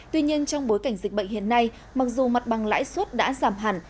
tuy nhiên trong bối cảnh dịch bệnh hiện nay mặc dù mặt bằng lãi suất đã giảm hẳn